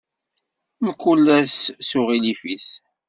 Mkul ass s uɣilif-is.